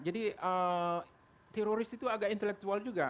jadi teroris itu agak intelektual juga